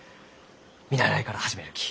見習いから始めるき。